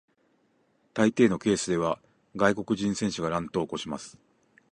大抵のケースでは外国人選手が乱闘を起こします。